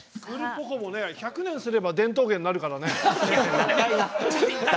クールポコ。も１００年すれば伝統芸になるからね。